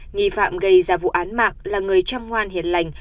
nghị phạm gây ra vụ án mạng là người trăm hoan hiền lành